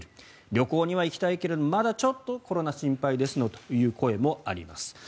旅行には行きたいけどまだちょっとコロナ心配ですという声もあります。